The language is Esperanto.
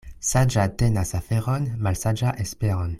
Saĝa tenas aferon, malsaĝa esperon.